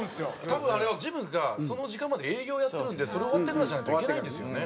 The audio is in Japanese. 多分あれはジムがその時間まで営業やってるんでそれ終わってからじゃないと行けないんですよね。